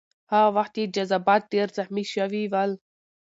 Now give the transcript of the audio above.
هغه وخت یې جذبات ډېر زخمي شوي ول.